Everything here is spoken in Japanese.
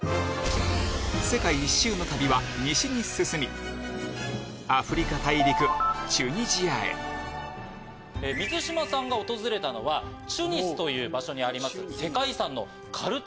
世界一周の旅は西に進みアフリカ大陸チュニジアへ水島さんが訪れたのはチュニスという場所にあります。